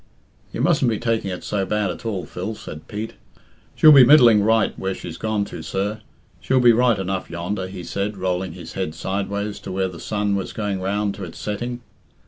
"You mustn't be taking it so bad at all, Phil," said Pete. "She'll be middling right where she's gone to, sir. She'll be right enough yonder," he said, rolling his head sideways to where the sun was going round to its setting.